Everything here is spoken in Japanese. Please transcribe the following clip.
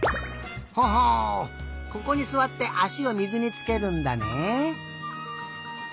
ほほうここにすわってあしを水につけるんだね。